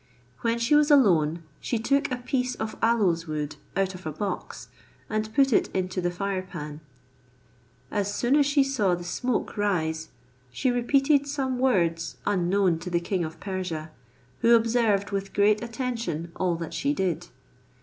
When she was alone, she took a piece of aloes wood out of a box, and put it into the fire pan. As soon as she saw the smoke rise, she repeated some words unknown to the king of Persia, who observed with great attention all that she did.